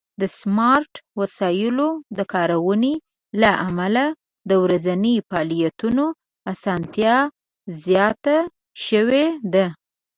د سمارټ وسایلو د کارونې له امله د ورځني فعالیتونو آسانتیا زیاته شوې ده.